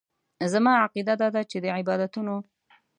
زما عقیده داده چې د عبادتونو.